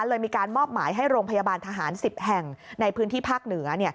เลยมีการมอบหมายให้โรงพยาบาลทหาร๑๐แห่งในพื้นที่ภาคเหนือ